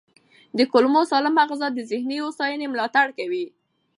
د کولمو سالمه غذا د ذهني هوساینې ملاتړ کوي.